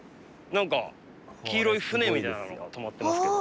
なんか、黄色い船みたいなのが泊まってますけど。